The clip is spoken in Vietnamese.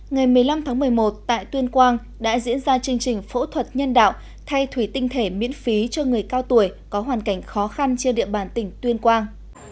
ngày một mươi năm tháng một mươi một tại tuyên quang đã diễn ra chương trình phẫu thuật nhân đạo thay thủy tinh thể miễn phí cho người cao tuổi có hoàn cảnh khó khăn trên địa bàn tỉnh tuyên quang